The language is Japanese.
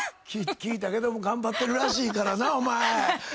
聞いたけども頑張ってるらしいからなお前。